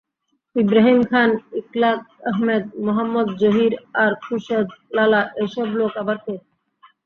ইব্রাহীম খান, ইখলাক আহমেদ, মোহাম্মদ জহির আর খুরশেদ লালা এই সব লোক আবার কে?